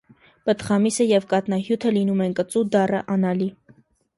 Պտղամիսը և կաթնահյութը լինում են կծու, դառը, անալի։